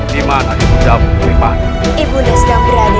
di mana ibu darat putri mani